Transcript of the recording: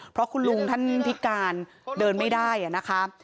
เพราะคุณลุงท่านพิการเดินไม่ได้นะคะ